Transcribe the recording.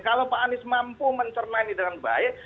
kalau pak anies mampu mencermani dengan baik